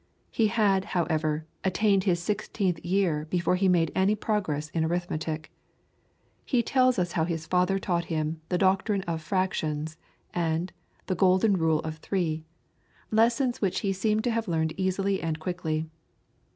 He had, however, attained his sixteenth year before he made any progress in arithmetic. He tells us how his father taught him "the doctrine of fractions," and "the golden rule of three" lessons which he seemed to have learned easily and quickly.